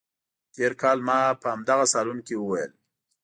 تېر کال ما په همدغه صالون کې وویل.